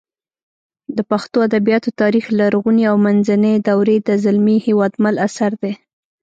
د پښتو ادبیاتو تاریخ لرغونې او منځنۍ دورې د زلمي هېوادمل اثر دی